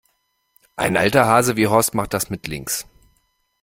Ein alter Hase wie Horst macht das mit links.